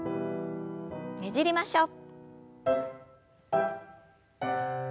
ねじりましょう。